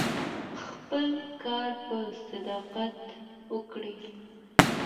خپل کار په صداقت وکړئ.